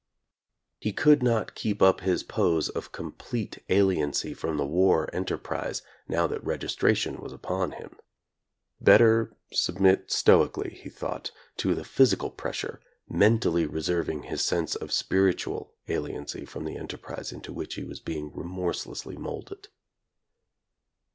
He could not keep up his pose of complete aliency from the war enterprise, now that registration was upon him. Better submit stoically, he thought, to the physical pressure, mentally reserving his sense of spiritual aliency from the enterprise into which he was being remorselessly molded.